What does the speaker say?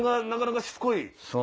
なかなかしつこい。